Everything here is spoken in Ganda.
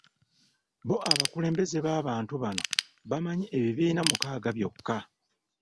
Bo abakulembeze b'abantu bano bamanyi ebibiina mukaaga byokka.